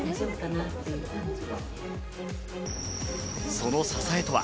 その支えとは？